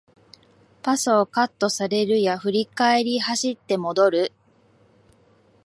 パスをカットされるや振り返り走って戻る